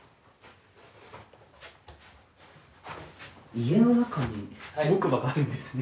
家の中に木馬があるんですね。